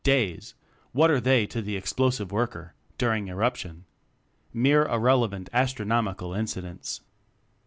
Days! What are they to the Explo sive Worker during eruption. Mere irrelevant astronomical incidents.